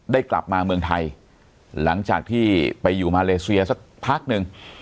กลับมาเมืองไทยหลังจากที่ไปอยู่มาเลเซียสักพักหนึ่ง